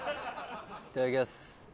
いただきます。